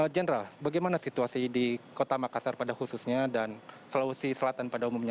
jendra bagaimana situasi di kota makassar pada khususnya dan sulawesi selatan pada umumnya